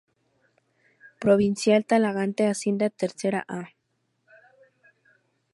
Provincial Talagante asciende a Tercera A